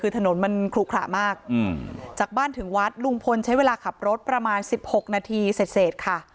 คือถนนมันขลุขระมากจากบ้านถึงวัดลุงพลใช้เวลาขับรถประมาณ๑๖นาทีเสร็จค่ะ